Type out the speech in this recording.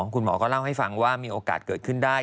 คุณหมอก็เล่าให้ฟังว่ามีโอกาสเกิดขึ้นได้